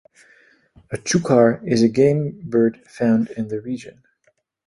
A chukar is a game bird found in the region.